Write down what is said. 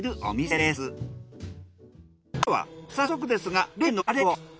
では早速ですが例のアレを。